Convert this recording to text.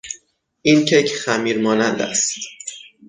این کیک خمیر مانند است.